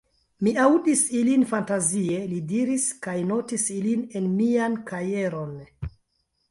Mi aŭdis ilin fantazie, li diris, kaj notis ilin en mian kajeron.